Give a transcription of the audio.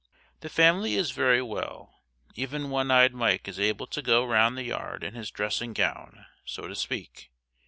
The family is very well, even one eyed Mike is able to go round the yard in his dressing gown, so to speak.